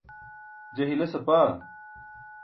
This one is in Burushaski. je hiles apaa